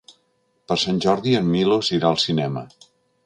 Per Sant Jordi en Milos irà al cinema.